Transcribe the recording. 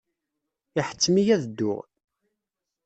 Iḥettem-iyi ad dduɣ.